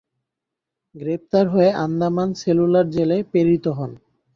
গ্রেপ্তার হয়ে আন্দামান সেলুলার জেলে প্রেরিত হন।